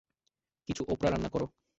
কিছু ওপরা রান্না কর।